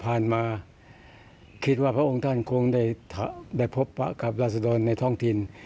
ที่ผ่านมาคิดว่าพระองค์ท่านคงได้พบปะกับราศดรในท้องถิ่น